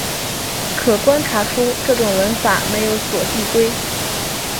可观察出这种文法没有左递归。